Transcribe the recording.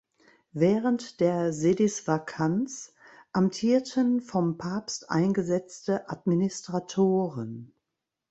Während der Sedisvakanz amtierten vom Papst eingesetzte Administratoren.